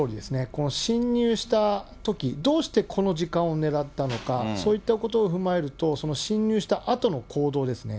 この侵入したとき、どうしてこの時間を狙ったのか、そういったことを踏まえると、その侵入したあとの行動ですね。